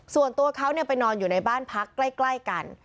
ส่วนตัวเขาไปนอนอยู่ในบ้านพักใกล้กัน